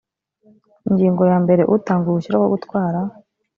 ingingo ya mbere utanga uruhushya rwo gutwara